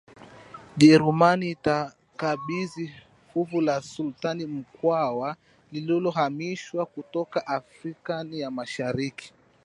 Ujerumani itakabidhi fuvu la Sultani Mkwawa lililohamishwa kutoka Afrika ya Mashariki